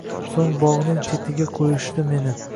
So’ng bog’ning chetiga qo’yishdi meni.